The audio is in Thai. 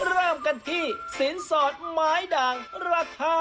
เริ่มกันที่สินสอดหมายด่างราคาหลักล้าน